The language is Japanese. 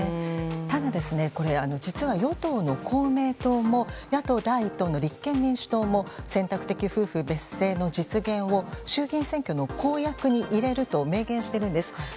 ただ実は、与党の公明党も野党第一党の立憲民主党も選択的夫婦別姓の実現を衆議院選挙の公約に入れると明言しているんです。